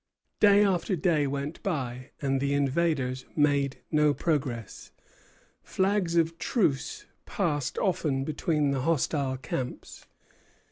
Day after day went by, and the invaders made no progress. Flags of truce passed often between the hostile camps.